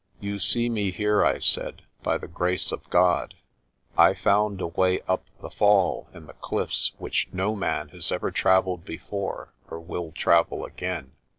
"You see me here," I said, "by the grace of God. I found a way up the fall and the cliffs which no man has ever travelled before or will travel again.